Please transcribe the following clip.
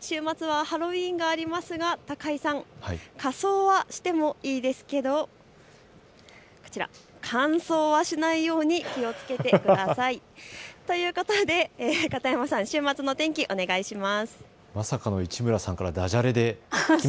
週末はハロウィーンがありますが高井さん、仮装はしてもいいですけどこちら、乾燥はしないように気をつけてください。ということで片山さん週末の天気、お願いします。